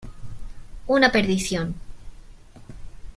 ¡ una perdición!...